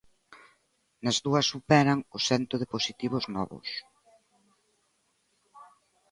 Nas dúas superan o cento de positivos novos.